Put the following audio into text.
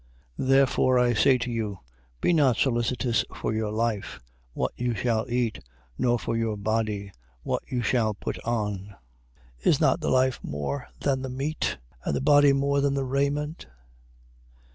Therefore I say to you, be not solicitous for your life, what you shall eat, nor for your body, what you shall put on. Is not the life more than the meat: and the body more than the raiment?